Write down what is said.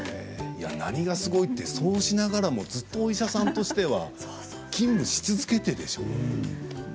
いや、何がすごいってそうしながらもずっとお医者さんとしては勤務し続けてでしょう？